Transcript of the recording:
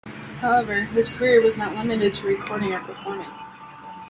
However, his career was not limited to recording or performing.